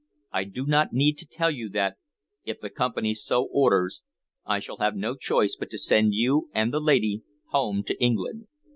I do not need to tell you that, if the Company so orders, I shall have no choice but to send you and the lady home to England.